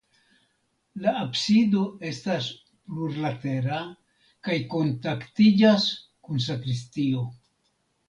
La absido estas plurlatera kaj kontaktiĝas kun sakristio.